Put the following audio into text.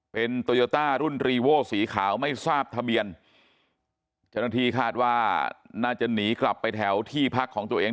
เป็นโตโยต้ารุ่นรีโว้สีขาวไม่ทราบทะเบียนเจ้าหน้าที่คาดว่าน่าจะหนีกลับไปแถวที่พักของตัวเอง